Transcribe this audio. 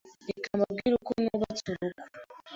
reka mbabwire uko nubatse urugo: